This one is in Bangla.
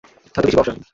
হয়তো বেশি বয়স হয় নাই।